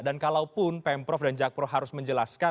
dan kalaupun pemprov dan jakpro harus menjelaskan